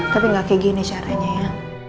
tapi gak kayak gini caranya ya